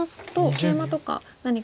ケイマとか何か。